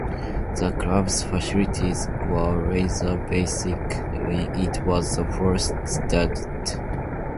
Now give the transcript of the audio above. The club's facilities were rather basic when it was first started.